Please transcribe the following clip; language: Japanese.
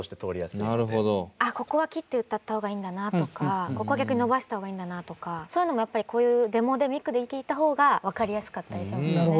ここは切って歌った方がいいんだなとかここは逆に伸ばした方がいいんだなとかそういうのもやっぱりこういうデモでミクで聴いた方が分かりやすかったりしますよね。